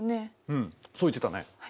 うんそう言ってたね。